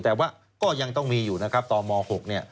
แต่ว่าก็ยังต้องมีอยู่นะครับต่อม๖เนี่ย